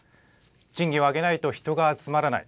賃金を上げないと人が集まらない。